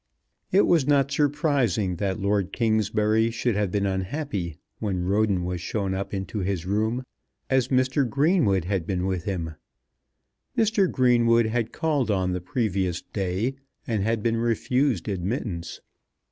It was not surprising that Lord Kingsbury should have been unhappy when Roden was shown up into his room, as Mr. Greenwood had been with him. Mr. Greenwood had called on the previous day, and had been refused admittance.